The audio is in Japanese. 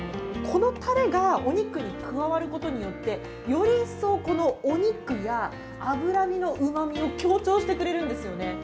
このたれが、お肉に加わることによって、より一層、このお肉や脂身のうまみを強調してくれるんですよね。